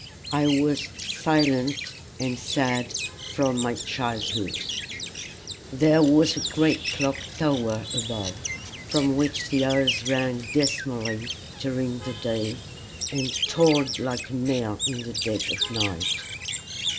I was silent and sad from my childhood. There was a great clock tower above, from which the hours rang dismally during the day, and tolled like a knell in the dead of night.